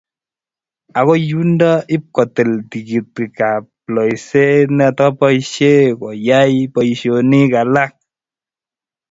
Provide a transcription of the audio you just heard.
Akoi yundo ip kotil tikititab loiseet ne kotoboisye koyai boisionik alak.